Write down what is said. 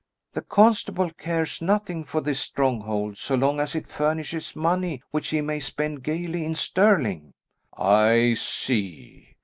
"The constable cares nothing for this stronghold so long as it furnishes money which he may spend gaily in Stirling." "I see.